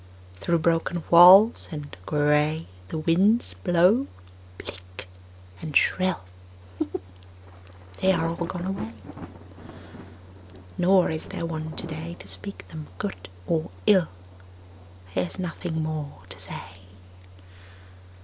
Through broken walls and gray The winds blow bleak and shrill: They are all gone away. Nor is there one today To speak them good or ill: There is nothing more to say.